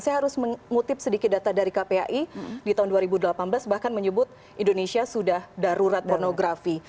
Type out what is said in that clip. saya harus mengutip sedikit data dari kpai di tahun dua ribu delapan belas bahkan menyebut indonesia sudah darurat pornografi